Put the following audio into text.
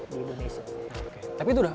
di indonesia tapi itu udah